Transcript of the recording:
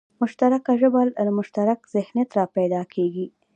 مشترکه ژبه له مشترک ذهنیت راپیدا کېږي